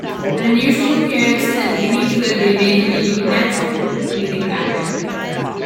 An unusual appearance and unique delivery made him a natural comedic actor.